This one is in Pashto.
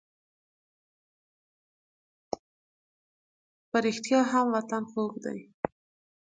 په رښتیا هم وطن خوږ دی.